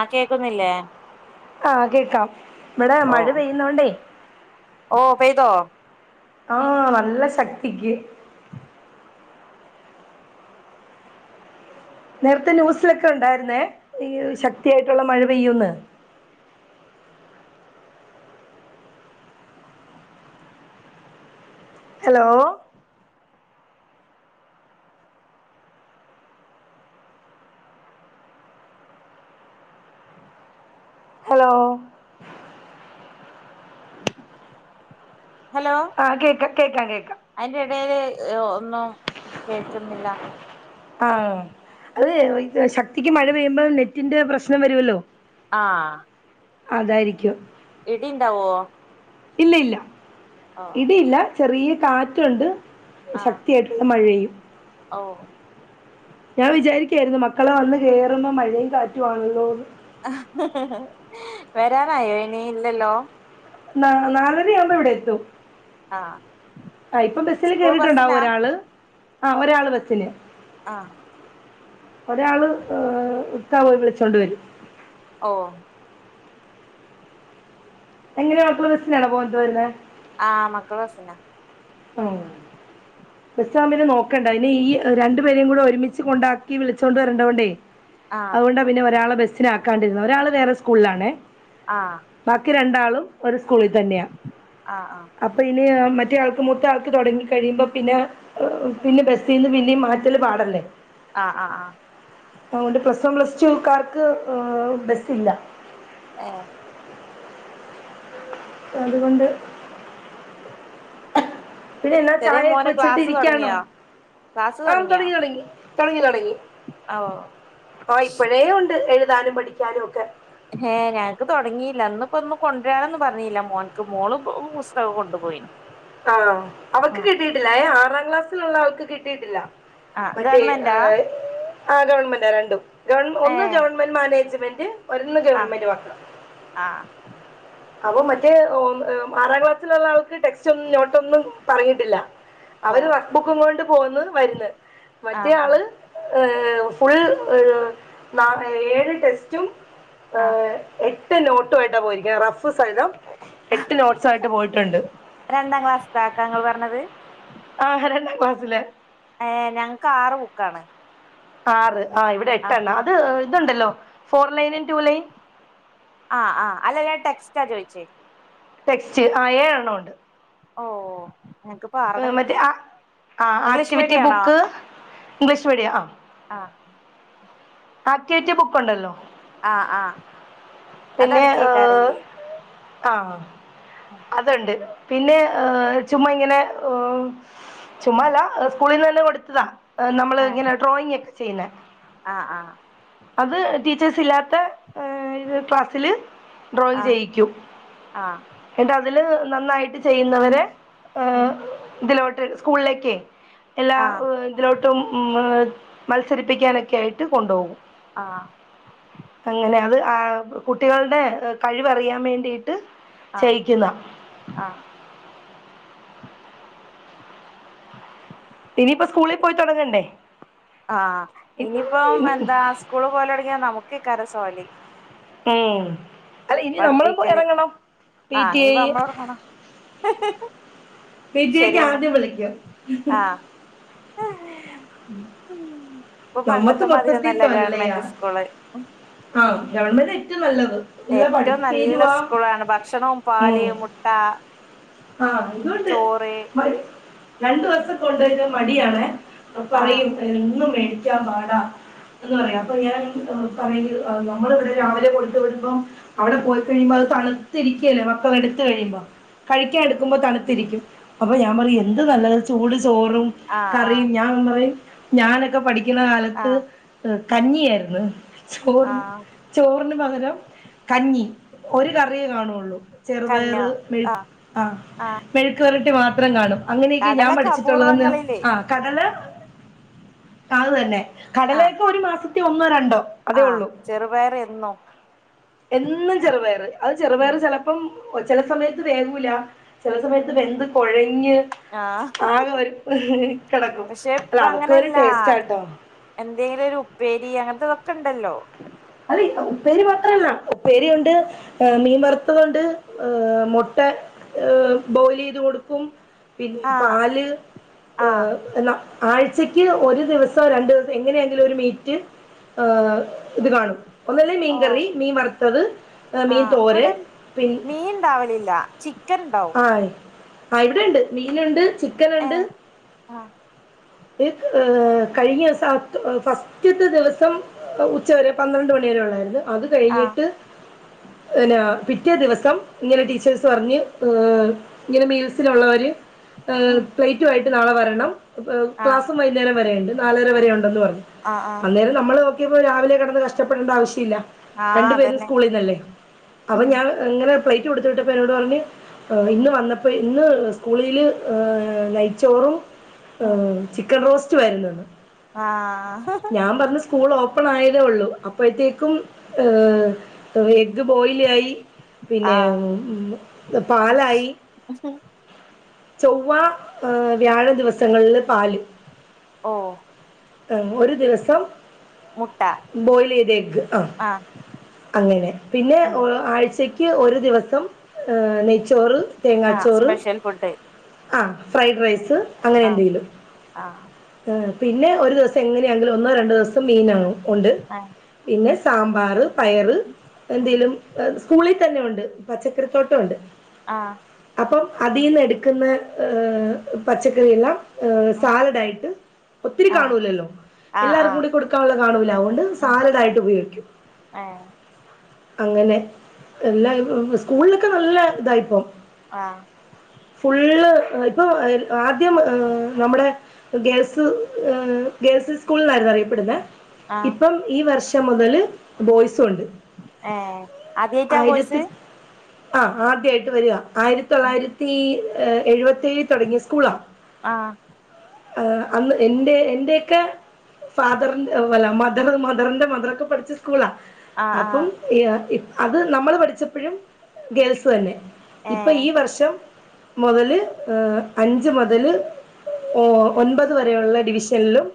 ആഹ് കേക്കുന്നില്ലേ ആഹ് കേക്കാം. ഇവടെ മഴ പെയ്യുന്നോണ്ടേ ഓഹ് പെയ്തോ? ആഹ് നല്ല ശക്തിയ്ക്ക്. നേരത്തെ ന്യൂസിലൊക്കെ ഉണ്ടായിരുന്നേ ഈ ശക്തിയായിട്ടുള്ള മഴ പെയ്യുന്ന്. ഹലോ? ഹലോ? ഹലോ? ആഹ് കേക്കാ, കേക്കാം കേക്കാം. അയ്ന്റെടേല് ഒന്നും കേക്കുന്നില്ല. ആഹ് അത് ശക്തിക്ക് മഴ പെയ്യുമ്പം നെറ്റിന്റെ പ്രശ്നം വരുവല്ലോ. ആഹ്. അതായിരിക്കും. ഇടിണ്ടാവോ? ഇല്ല ഇല്ല. ഇടിയില്ല ചെറിയ കാറ്റുണ്ട്. ശക്തിയായിട്ടുള്ള മഴയും. ഓഹ്. ഞാൻ വിചാരിയ്ക്കായിരുന്നു മക്കള് വന്ന് കേറുമ്പം മഴയും കാറ്റുവാണല്ലോന്ന്. വരാറായോ അയ്ന്. ഇല്ലല്ലോ? നാ നാലരയാവുമ്പം ഇവിടെ എത്തും. ആഹ്. ആഹ് ഇപ്പം ബസ്സില് സ്കൂൾ കേറിട്ടുണ്ടാവും ബസ്സിനാ ഒരാള്. ആഹ് ഒരാള് ബസ്സിന്. ആഹ്. ഒരാള് ഈഹ്, ഇക്കാ പോയി വിളിച്ചോണ്ട് വരും. ഓഹ്. എങ്ങനെയാ മക്കള് ബസ്സിനാണോ പോയിട്ട് വരുന്നേ? ആഹ് മക്കള് ബസ്സിനാ. ഉം. ബസ്സാകുമ്പോ പിന്നെ നോക്കണ്ട. അതിനെ ഈ രണ്ടു പേരെയും കൂടെ ഒരുമിച്ച് കൊണ്ടാക്കി വിളിച്ചോണ്ട് വരണ്ടോണ്ടേ. ആഹ് അതുകൊണ്ടാ പിന്നെ ഒരാളെ ബസ്സിനാക്കാണ്ടിരുന്നെ. ഒരാള് വേറെ സ്കൂളിലാണേ. ആഹ്. ബാക്കി രണ്ടാളും ഒരു സ്കൂളിൽ തന്നെയാ. ആഹ് ആഹ് അപ്പൊ ഇനി മറ്റേയാൾക്ക് മൂത്ത ആൾക്ക് തുടങ്ങി കഴിയുമ്പോ പിന്നെ, ഈഹ് പിന്നെ ബസ്സീന്ന് പിന്നെയും മാറ്റല് പാടല്ലേ. ആഹ് ആഹ് ആഹ്. അതു കൊണ്ട് പ്ലസ് വൺ പ്ലസ് ടുക്കാർക്ക് ഈഹ് ബസ്സില്ല. ഏഹ്? അതുകൊണ്ട് പിന്നെ എന്നാ ചെറിയ ചായയൊക്കെ മോന് വെച്ചിട്ട് ക്ലാസ് ഇരിക്കയാണോ? തൊടങ്ങിയോ ക്ലാസ് ആഹ് തൊടങ്ങിയോ തുടങ്ങി തുടങ്ങി തുടങ്ങി തുടങ്ങി. ഓ ഓഹ് ഇപ്പഴേ ഉണ്ട് എഴുതാനും പഠിക്കാനും ഒക്കെ. ഹേ, ഞങ്ങക്ക് തുടങ്ങിയില്ല. ഇന്ന് ഇപ്പോ ഒന്നും കൊണ്ടുവരാനൊന്നും പറഞ്ഞീല്ല മോൻക്ക്. മോള് പുസ്തകം കൊണ്ടുപോയി. ആഹ് അവക്ക് കിട്ടിയിട്ടില്ല ഏഹ്. ആറാം ക്ലാസ്സിലുള്ള അവക്ക് കിട്ടിയിട്ടില്ല. ആഹ് മറ്റേ ഗവൺമെന്റാ ഈഹ് ആഹ് ഗവൺമെന്റാ രണ്ടും. ഗവൺ ഒന്ന് ഏഹ് ഗവൺമെന്റ് മാനേജ്മെന്റ് ഒന്ന് ആഹ് ഗവൺമെന്റ് മാത്രം. ആഹ് അപ്പൊ മറ്റേ ഉം ആറാം ക്ലാസ്സിലുള്ള ആൾക്ക് ടെക്സ്റ്റ് ഒന്നും നോട്ടൊന്നും പറഞ്ഞിട്ടില്ല ഓ അവര് റഫ്ബുക്കും കൊണ്ട് പോന്ന് വരുന്ന് മറ്റേ ആഹ് ആഹ് ആള് ഏഹ് ഫുൾ ഏഹ് ന ഏഴ് ടെസ്റ്റും ആഹ് ഏഹ് എ എട്ട് നോട്ടുമായിട്ടാ പോയിരിക്കുന്നത് റഫ് സഹിതം എട്ട് നോട്ട്സു ആയിട്ട് പോയിട്ടുണ്ട് രണ്ടാം ക്ലാസ്താക്കാ നിങ്ങൾ പറഞ്ഞത് ആഹ് രണ്ടാം ക്ലാസ്സിലെ ഏഹ് ഞങ്ങക്ക് ആറ് ബുക്കാണ് ആറ് ആഹ് ഇവിടെ എട്ടെണ്ണ അത് ഇതുണ്ടല്ലോ ഫോർ ലൈന് ടു ലൈൻ ആഹ് ആഹ് അല്ല ഞാൻ ടെക്സ്റ്റാ ചോയ്ച്ചേ ടെക്സ്റ്റ് ആഹ് ഏഴെണ്ണം ഉണ്ട് ഓഹ് ഞങ്ങക്ക് ഏഹ് മറ്റേ ആഹ് ആഹ് ആക്ടിവിറ്റി മീഡിയാണോ ബുക്ക് ഇംഗ്ലീഷ് മീഡിയം ആഹ് ആഹ് ആക്റ്റിവിറ്റി ബുക്കുണ്ടല്ലോ ആഹ് ആഹ് പിന്നെ അതടക്കേക്കാരേ ഏഹ് ആഹ് അതുണ്ട് പിന്നെ ഏഹ് ചുമ്മാ ഇങ്ങനെ ഏഹ് ചുമ്മാല്ലാ സ്കൂളിൽ നിന്ന് തന്നെ കൊടുത്തതാ നമ്മള് ആഹ് ഇങ്ങനെ ഡ്രോയിങ് ഒക്കെ ചെയ്യുന്ന ആഹ് ആഹ് അത് ടീച്ചേഴ്സ് ഇല്ലാത്ത ഏഹ് ഇത് ക്ലാസ്സില് ഡ്രോയിങ് ആഹ് ചെയ്യിക്കും ആഹ് എന്നിട്ട് അതില് നന്നായിട്ട് ചെയ്യുന്നവരെ ഉം ഏഹ് ഇതിലോട്ട് സ്കൂളിലേക്കെ എല്ലാ ആഹ് ഏഹ് ഇതിലോട്ട് ട്ടും മത്സരിപ്പിക്കാനൊക്കെ ആയിട്ട് കൊണ്ടോകും ആഹ് അങ്ങനെ അത് ആഹ് കുട്ടികളുടെ കഴിവറിയാൻ വേണ്ടിയിട്ട് ആഹ് ചെയ്യിക്കുന്നാ ആഹ് ഇനിപ്പം സ്കൂളിൽ പോയി തൊടങ്ങണ്ടേ ആഹ് ഇനിപ്പം എന്താ സ്കൂളില് പോലൊടങ്ങിയാ നമുക്കെയ്ക്കാരം സൊഹല് ഉം അല്ല ഇനി നമ്മളും പഠിപ്പിക്കല് എറങ്ങണം പി ടി ഏയ് ഹ് ഹ് ഹ് പി ടി ഏ ക്ക് ആദ്യം വിളിയ്ക്കും നേരാ ഇപ്പം നമുക്ക് പണ്ടത്തെ മാതിരൊന്നും മൊത്തത്തിൽ അല്ല ഗവണ്മെന്റ് സ്കൂള് ആഹ് ഗവൺമെന്റ് ഏറ്റവും നല്ലത് നല്ല ഏറ്റവും നല്ല പഠിപ്പീരുവാ സ്കൂളാണ് ഭക്ഷണവും പാല് മുട്ട ആഹ് അതൂണ്ട് ചോറ് മടി രണ്ടു വർഷം കൊണ്ടോയ്റ്റും മടിയാണെ ഇപ്പം ആഹ് പറയും എന്നും മേടിയ്ക്കാൻ പാടാ എന്ന് പറയും അപ്പം ഞാൻ പറയും നമ്മളിവിടെ രാവിലെ കൊടുത്തു വിടുമ്പം അവിടെ പോയി കഴിയുമ്പം അത് തണുത്തിരിക്കല്ലേ മക്കളെടുത്ത് കഴിയുമ്പം കഴിയ്ക്കാൻ എടുക്കുമ്പം തണുത്തിരിയ്ക്കും അപ്പം ഞാൻ പറയും എന്ത് നല്ലതാ ചൂട് ചോറും ആഹ് ആഹ് കറിയും ഞാൻ പറയും ഞാനൊക്കെ പഠിക്കുന്ന കാലത്ത് ആഹ് ഏഹ് കഞ്ഞിയായിരുന്നു ചോറ് ആഹ് ചോറിന് പകരം കഞ്ഞി ഒരു കറിയേ കാണുവുള്ളൂ ചെറുപയറ് മെഴു ആഹ് മെഴുക്കു വരട്ടി മാത്രം കാണും അങ്ങനെയൊക്കെ ഞാൻ കടലൊക്കെ പഠിച്ചിട്ടുള്ളതെന്ന് അപൂർവങ്ങളില് ആഹ് കടല ആഹ് അത് തന്നെ ആഹ് കടലയൊക്കെ ഒരു മാസത്തി ഒന്നോ രണ്ടോ അതേ ആഹ് ഉള്ളൂ ചെറുപയറ് എന്നും എന്നും ചെറുപയറ് അത് ചെറുപയറ് ഉം ചെലപ്പം ചെല സമയത്ത് വേവൂല ചെല സമയത്ത് ഉം വെന്ത് കൊഴഞ്ഞ് ആഹ് ആകെ ഒരു കിടക്കും പക്ഷെ അല്ല അതൊക്ക ഒരു ടേസ്റ്റാട്ടോ എന്തെലും ഒരു ഉപ്പേരി അങ്ങനത്തെ ഇതൊക്കെ ഇണ്ടല്ലോ അതെ ഉപ്പേരി മാത്രല്ല ഉപ്പേരി ഉണ്ട് മീൻ വറുത്തതൊണ്ട് ഏഹ് മുട്ട ഏഹ് ബോയിലെയ്ത് കൊടുക്കും പിന്നെ ആഹ് പാല് ആഹ് ഏഹ് ന ആഴ്ചക്ക് ഒരു ദിവസോ രണ്ടു ദിവസോ എങ്ങനെയാങ്കിലും ഒരു മീറ്റ് ആഹ് ഇത് കാണും ഒന്നല്ലേ ഓ മീൻകറി മീൻ വറുത്തത് മീൻ ആഹ് തോരൻ ഇവിടെ പിൻ മീൻ ഇണ്ടാവലില്ല ചിക്കൻ ഇണ്ടാവും ആയ് ആ ഇവിടെണ്ട് മീന്ണ്ട് ചിക്കന്ണ്ട് ഏഹ് ആഹ് ഈ ഏഹ് കഴിഞ്ഞ ദിവസം ഫസ്റ്റ്ത്തെ ദിവസം ഉച്ചവരെ പന്ത്രണ്ട് മണിവരെ ഉള്ളായിരുന്നു അത് ആഹ് കഴിഞ്ഞിട്ട് പിന്നെ പിറ്റേ ദിവസം ഇങ്ങനെ ടീച്ചേഴ്സ് പറഞ്ഞ് ഇങ്ങനെ മീൽസിലുള്ളവര് ഉം പ്ലേറ്റു ആയിട്ട് നാളെ വരണം ആഹ് ക്ലാസ്സും വൈന്നേരം വരെയുണ്ട് നാലര വരെ ഉണ്ടെന്ന് പറഞ്ഞു ആഹ് ആഹ് അന്നേരം നമ്മള് നോക്കിയപ്പോ രാവിലെ കിടന്ന് കഷ്ടപ്പെടണ്ട ആവശ്യല്ല ആഹ് രണ്ടു പേരും അതന്നെ സ്കൂളീന്നല്ലേ അപ്പം ഉം ഞാൻ ഇങ്ങനെ പ്ലേറ്റ് കൊടുത്ത് വിട്ടപ്പം എന്നോട് പറഞ്ഞ് ഏഹ് ഇന്ന് വന്നപ്പം ഇന്ന് സ്കൂളില് ഏഹ് നയിച്ചോറും ഉം ഏഹ് ചിക്കൻ റോസ്റ്റുവായിരുന്നുന്നെന്ന് ആഹ് ഞാൻ പറഞ്ഞു സ്കൂൾ ഓപ്പൺ ആയതേ ഉള്ളു അപ്പഴത്തേക്കും ഏഹ് എഗ്ഗ് ബോയിലൂ ആയി പിന്നെ ആഹ് പാലായി ചൊവ്വാ ഏഹ് വ്യാഴം ദിവസങ്ങളില് പാല് ഓഹ് ആഹ് ഒരു ദിവസം മുട്ട ബോയ്ലെയ്ത എഗ് അഹ് ആഹ് അങ്ങനെ പിന്നെ ഉം ആഴ്ചക്ക് യ്ക്ക് ഒരു ദിവസം നെയ്ച്ചോറ് ആഹ് തേങ്ങാച്ചോറ് സ്പെഷ്യൽ ഫുഡ് ആഹ് ഫ്രൈഡ് ഉം റൈസ് അങ്ങനെ ആഹ് എന്തെങ്കിലും ആഹ് ആഹ് പിന്നെ ഒരു ദിവസം എങ്ങനെയാണെങ്കിലും ഒന്നോ രണ്ടു ദിവസം മീനൗ ഒണ്ട് ആഹ് പിന്നെ സാമ്പാറ് പയറ് ഉം എന്തേലും സ്കൂളില് തന്നെ ഒണ്ട് പച്ചക്കറിത്തോട്ടം ഒണ്ട് ആഹ് അപ്പം അതീന്ന് എടുക്കുന്ന ഏഹ് പച്ചക്കറി എല്ലാം ഏഹ് ഉം സാലഡായിട്ട് ഒത്തിരി ആഹ് കാണൂല്ലല്ലോ ആഹ് എല്ലാവർക്കും ആഹ് കൂടി കൊടുക്കാവുള്ള കാണൂല്ല അതോണ്ട് ഉം സാലഡായിട്ട് ഉപയോഗിക്കും ഏഹ് അങ്ങനെ എല്ലാ സ്കൂളിലൊക്കെ നല്ല ഇതായിപ്പം ആഹ് ഫുള്ള് ഇപ്പം ആദ്യം നമ്മുടെ ഗേൾസ് ഏഹ് ഗേൽസ് സ് കൂളിലാരുന്നു അറിയപ്പെടുന്നേ ആഹ് ഇപ്പം ഈ വർഷം മുതല് ബോയ്സും ഒണ്ട് ഏഹ് ആദ്യായിട്ടാ ആയിരത്തി വോയിസ് ആഹ് ആദ്യായിട്ട് വരുവ ആയിരത്തി തൊള്ളായിരത്തി എഴുപത്തിഏഴിൽ തുടങ്ങിയ സ്കൂളാ ആഹ് അന്ന് എന്റെ എന്റേക്ക ഫാദറിന്റെ അല്ല മദർ മദറിന്റെ മദറൊക്കെ പഠിച്ച സ്കൂളാ ആഹ് അപ്പം ആഹ് ഇയാ അത് നമ്മള് പഠിച്ചപ്പഴും ഗേൾസ് തന്നെ ഇപ്പ ഈ ഏഹ് വർഷം മുതല് അഞ്ച് മുതല് ഓ ഒൻപത് വരെയുള്ള ഡിവിഷൻലും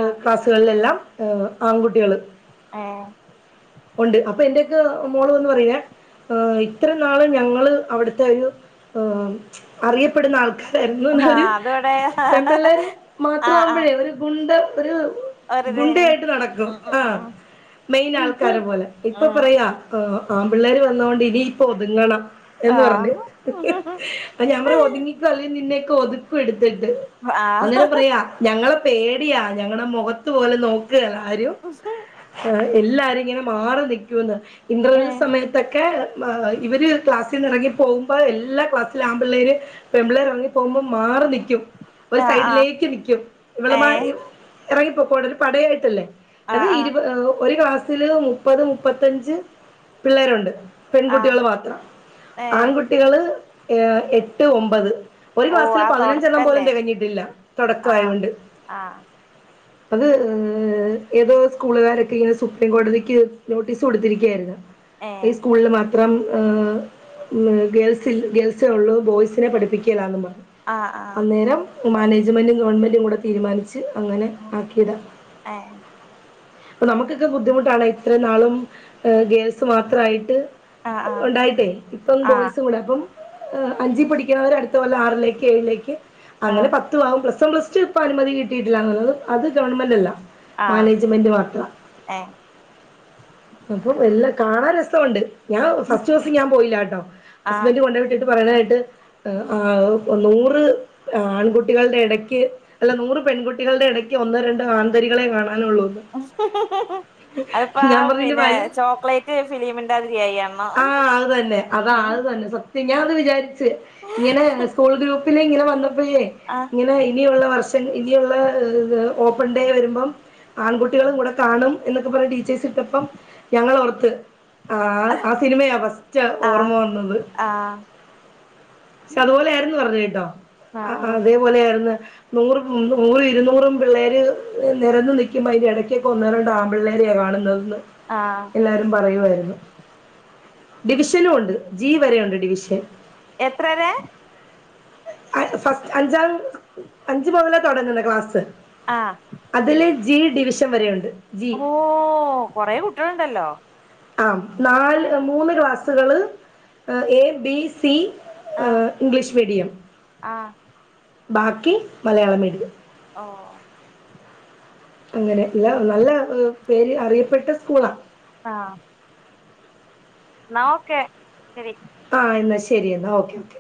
ആഹ് ക്ലാസ്സുകളിലെല്ലാം ആങ്കുട്ടികള് ഏ ഒണ്ട് അപ്പോ എന്റെയൊക്കെ മോള് വന്ന് പറയേ ഇത്ര നാളും ഞങ്ങള് അവിടുത്തെ ഒരു അറിയപ്പെടുന്ന ആൾക്കാ തരുന്നു ന്നൊരു ആഹ് അതിവിടെ പെൺ പിള്ളേര് ആഹ് ആഹ് മാത്രാവുമ്പഴേ ഒരു ഗുണ്ട ഒരു ഒരിതേനി ഗുണ്ടയായിട്ട് നടക്കും ഉം ഉം ആഹ് ഉം മെയിൻ ആൾക്കാര ഉം പോലെ ഇപ്പോ ഉം പറയാ ആൺപിള്ളേര് വന്നോണ്ട് ഇനിപ്പോ ഒതുങ്ങണം എന്ന് പറഞ്ഞ് ആഹ് ആഹ് ഞാൻ പറഞ്ഞു ഒതുങ്ങിക്കോ അല്ലെങ്കിൽ നിന്നൊക്കെ ഒതുക്കും എടുത്തിട്ട് ആഹ് ഹ അന്നേരം പറയാ ഹ ഞങ്ങളെ പേടിയാ ഞങ്ങളെ മൊഖത്ത് പോലും നോക്കേലാ ആരും മിസ്സേ എല്ലാരും ഇങ്ങനെ മാറി നിക്കൂന്ന് ഇന്റർവെൽ ഏഹ് സമയത്തൊക്കെ ഇവര് ക്ലാസ്സിന്ന് എറങ്ങി പോകുമ്പം എല്ലാ ക്ലാസ്സില ആൺ പിള്ളേര് പെമ്പിളേർ ഇറങ്ങി പോകുമ്പം മാറി നിക്കും ഒരു ആഹ് ആഹ് സൈഡിലേക്ക് നിക്കും ഇവളന്മാര് ഏഹ് എറങ്ങിപ്പൊക്കോടല് ഒരു പടയായിട്ടല്ലേ അത് ആഹ് ആഹ് ഇരുപ ഒരു ക്ലാസ്സില് മുപ്പത് മുപ്പത്തഞ്ച് പിള്ളേരൊണ്ട് ആഹ് പെൺകുട്ടികള് മാത്രം ഏഹ് ആൺകുട്ടികള് ഏ എട്ട് ഒമ്പത് ഒരു ഓഹ് ക്ലാസ്സില് ആ പതിനഞ്ചെണ്ണം പോലും തൊടക്കല്ലേ തെകഞ്ഞിട്ടില്ല ആഹ് തൊടക്കായോണ്ട് ആഹ് അത് ഏതോ സ്കൂളുകാരൊക്കെ ഇങ്ങനെ സുപ്രീം കോടതിക്ക് നോട്ടീസ് കൊടുത്തിരിക്കാരുന്ന് ഈ ഏഹ് സ്കൂളില് മാ ത്രം ഗേൾസിൽ ഗേൾസേ ഒള്ളൂ ബോയ്സിനെ പഠിപ്പിക്കേലാന്ന് പറഞ്ഞ് ആഹ് ആഹ് അന്നേരം മാനേജ്മെന്റും ഗവണ്മെന്റും കൂടെ തീരുമാനിച്ച് അങ്ങനെ ഉം ആക്കിയതാ ഏഹ് അപ്പോ നമുക്കക്കെ ബുദ്ധിമുട്ടാണ് ഇത്രേ നാളും ഹ് ഗേൾസ് മാത്രായിട്ട് ആഹ് ആഹ് ഉണ്ടായിട്ടേ ഇപ്പോ ആഹ് ബോയ്സും കൂടെ അപ്പം അഞ്ചിപടിക്കുന്നവര് അടുത്ത കൊല്ലം ആറിലേക്ക് ഏഴിലേക്ക് അങ്ങനെ ആഹ് പ ത്തു ആവും പ്ലസ് വൺ പ്ലസ്ട്യൂ ഇപ്പ അനുമതി കിട്ടിയിട്ടില്ലാന്നുള്ളത് അത് ഗവൺമെന്റ് അല്ല ആഹ് മാനേജ്മെന്റ് മാത്ര ഏഹ് അപ്പോ എല്ലാ കാണാൻ രസൊണ്ട് ഞാൻ ഫസ്റ്റ് ദിവസം ഞാൻ പോയില്ലട്ടോ ആഹ് ഹസ്ബന്റ് കൊണ്ട് വിട്ടിട്ട് പറയ്ണെ കേട്ട് ആ നൂറ് ആൺകുട്ടികളുടെ ഇടയ്ക്ക് അല്ല നൂറ് പെൺകുട്ടികളുടെ ഇടയ്ക്ക് ഒന്നോ രണ്ടോ ആൺതരികളെ കാണാനുള്ളൂന്ന് അത്പ്പ പി പറഞ്ഞതിന്റെ ന്നെ കാര്യം ചോക്ലേറ്റ് ഫിലിമിന്റെ മാതിരിയായി ആണോ ഉം തന്നെ. സത്യം ഞാൻ അത് വിചാരിച്ച് ഇങ്ങനെ സ്കൂൾ ഗ്രൂപ്പില ഇങ്ങനെ വന്നപ്പഴേ ആഹ് ഇങ്ങനെ ഇനിയുള്ള വർഷം ഇനിയുള്ള ഓപ്പൺ ഡേ വരുമ്പം ആൺകുട്ടികളും കൂടെ കാണും എന്നൊക്കെ പർഞ്ഞ് ടീച്ചേഴ് ഇട്ടപ്പം ഞങ്ങളോർത്ത് ആ ആ സിനിമയാ ഫസ്റ്റ് ഓർമ്മ ആഹ് വന്നത് ആഹ് പക്ഷെ അതുപോലെ ആയിരുന്നു പറഞ്ഞ കേട്ടോ ആ ആഹ് ആഹ് അതേപോലെ ആയിരുന്നു നൂറ നൂറും ഇരുന്നൂറും പിള്ളേര് നിരന്ന് നിക്കുമ്പോ അതിന്റെ ഇടയ്ക്കൊക്കെ ഒന്നേരണ്ട് ആമ്പിള്ളേര കാണ ണ്ടാവുന്ന് ആഹ് എല്ലാരും പറയുവായിരുന്നു ഡിവിഷനും ഉണ്ട് ജി വരെയുണ്ട് ഡിവിഷൻ എത്രരെ ഫസ്റ്റ് അഞ്ചാം അഞ്ച മുതലേ തുടങ്ങണ ക്ലാസ്സ് ആഹ അതില് ജി ഡിവിഷൻ വരെയുണ്ട് ജി ഓ കൊറെ കുട്ടിയളുണ്ടല്ലോ ആ നാല് മൂന്ന് ക്ലാസുകള് A B C English medium ആഹ് ബാക്കി മലയാള മീഡിയം ഓ അങ്ങനെ അല്ല നല്ല പേര് അറിയപ്പെട്ട സ്കൂളാ ആഹ ന്നാഒക്കെ ശരി ആഹ എന്നാ ശരി എന്നാ ഓക്കെ ഓക്കെ